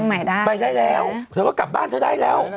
ไปได้แล้วเธอก็กลับบ้านเธอได้แล้ว